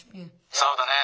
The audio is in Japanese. そうだね。